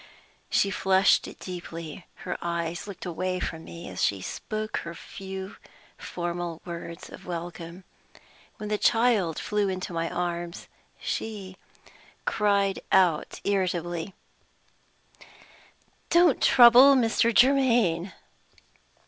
She flushed deeply; her eyes looked away from me as she spoke her few formal words of welcome. When the child flew into my arms, she cried out, irritably, "Don't trouble Mr. Germaine!"